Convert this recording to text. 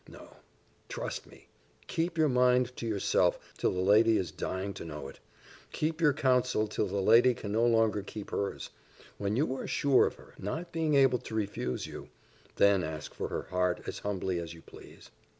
No, trust me, keep your mind to yourself till the lady is dying to know it keep your own counsel till the lady can no longer keep hers: when you are sure of her not being able to refuse you, then ask for her heart as humbly as you please."